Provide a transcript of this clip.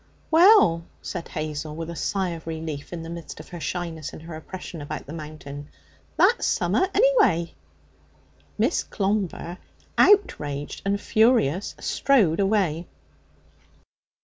'Well,' said Hazel, with a sigh of relief in the midst of her shyness and her oppression about the mountain, 'that's summat, anyway!' Miss Clomber, outraged and furious, strode away.